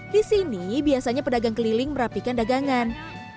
di sini biasanya pedagang keliling merapikan dagangan